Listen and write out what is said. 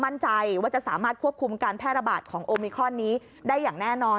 มั่นใจว่าจะสามารถควบคุมการแพร่ระบาดของโอมิครอนนี้ได้อย่างแน่นอน